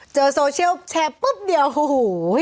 โซเชียลแชร์ปุ๊บเดียวโอ้โห